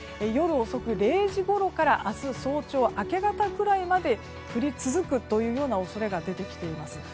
夜遅く０時ごろから明日早朝、明け方ぐらいまで降り続く恐れが出てきています。